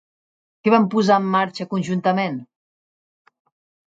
Què van posar en marxa, conjuntament?